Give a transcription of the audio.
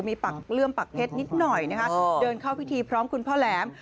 มีปักเลื่อมปักเพชรนิดหน่อยนะคะเดินเข้าพิธีพร้อมคุณพ่อแหลม